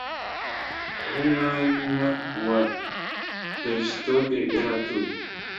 aho umwana wa calistoge yari atuye,